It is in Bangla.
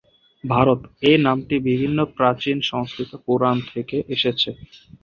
ভারত: এ নামটি বিভিন্ন প্রাচীন সংস্কৃত পুরাণ থেকে এসেছে।